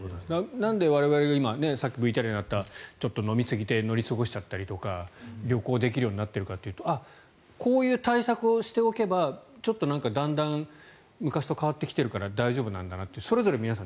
なんで我々がさっきＶＴＲにあったちょっと飲みすぎて乗り過ごしちゃったりとか旅行できるようになってるかというとこういう対策をしておけばちょっとだんだん昔と変わってきているから大丈夫なんだなってそれぞれ皆さん